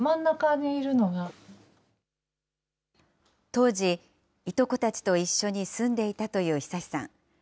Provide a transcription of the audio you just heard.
当時、いとこたちと一緒に住んでいたという恒さん。